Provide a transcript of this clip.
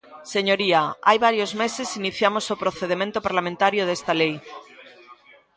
Señoría, hai varios meses iniciamos o procedemento parlamentario desta lei.